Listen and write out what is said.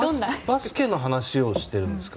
バスケの話をしてるんですか？